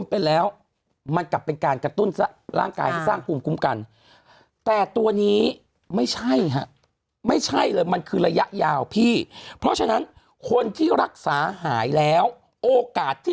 เอาพี่เพราะฉะนั้นคนที่รักษาหายแล้วโอกาสที่